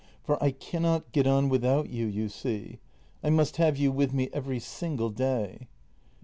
] For I cannot get on without you, you see. I must have you with me every single day.